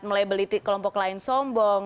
melabeli kelompok lain sombong